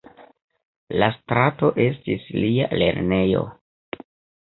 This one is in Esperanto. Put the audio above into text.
La strato estis lia lernejo.